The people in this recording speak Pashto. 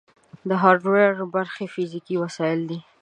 د هارډویر برخې فزیکي وسایل دي.